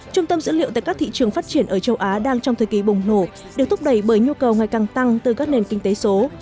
trung tâm dữ liệu tại các thị trường phát triển ở châu á đang trong thời kỳ bùng nổ được thúc đẩy bởi nhu cầu ngày càng tăng từ các nền kinh tế số